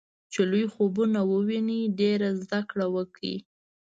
چې لوی خوبونه وويني ډېره زده کړه وکړي.